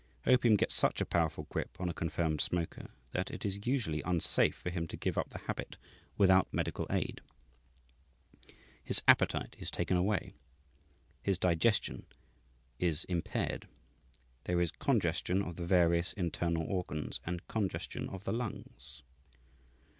Opium gets such a powerful grip on a confirmed smoker that it is usually unsafe for him to give up the habit without medical aid. His appetite is taken away, his digestion is impaired, there is congestion of the various internal organs, and congestion of the lungs.